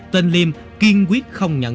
tên liêm kiên quyết không nhận